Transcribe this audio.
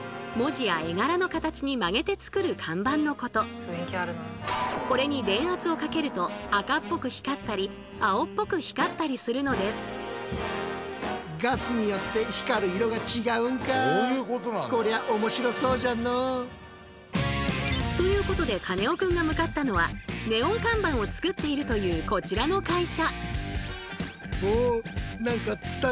夜を彩るこれに電圧をかけると赤っぽく光ったり青っぽく光ったりするのです。ということでカネオくんが向かったのはネオン看板を作っているというこちらの会社。